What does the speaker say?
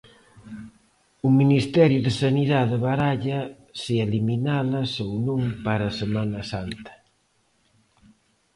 O Ministerio de Sanidade baralla se eliminalas ou non para Semana Santa.